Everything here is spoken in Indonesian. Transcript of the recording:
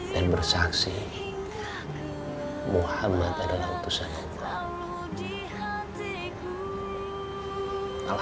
dan bersaksi muhammad adalah utusan allah